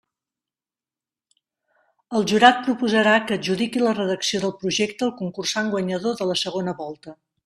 El Jurat proposarà que adjudiqui la redacció del Projecte al concursant guanyador de la segona volta.